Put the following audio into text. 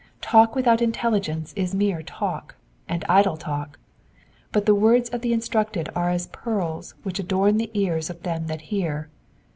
Talk without intelligence is mere talk, and idle talk ; but. the words of the instructed are as pearls which adorn the ears of them that hear.